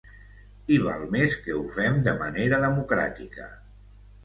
I val més que ho fem de manera democràtica.